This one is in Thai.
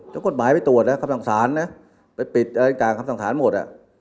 แล้วกฎหมายไปตรวจนะคำสั่งสารนะไปปิดอะไรต่างคำสั่งสารหมด